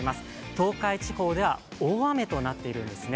東海地方では大雨となっているんですね。